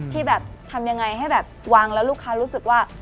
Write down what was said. ที่แบบทำยังไงให้แบบวางแล้วลูกค้ารู้สึกว่า